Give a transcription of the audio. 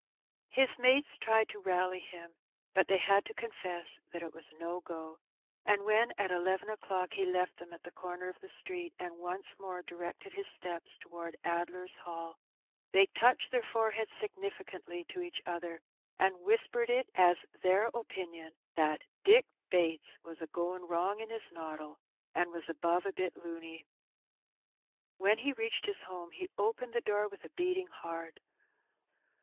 His mates tried to rally him, but they had to confess that it was ''no go"; and when at eleven o'clock he left them at the comer of the street, and once more directed his steps towards Addler's Hall, they touched their foreheads significantly to each other, and whispered it as their opinion "that Dick Bates was a goin' wrong in his noddle, and was above a bit luny.*' When he reached his home, he opened the door with a beating heart.